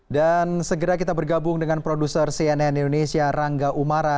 dan segera kita bergabung dengan produser cnn indonesia rangga umara